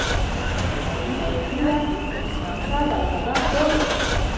له دې توپیره زموږ مقصد او هدف دا دی.